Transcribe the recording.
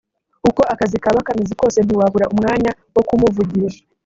uko akazi kaba kameze kose ntiwabura umwanya wo kumuvugisha